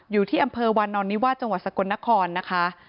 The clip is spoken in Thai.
อยู่ที่อำเภอวานอนนิวาสจังหวัดสกลนครนะคะ